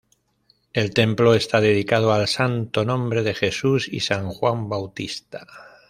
El templo está dedicado al Santo Nombre de Jesús y San Juan Bautista.